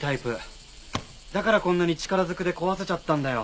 だからこんなに力ずくで壊せちゃったんだよ。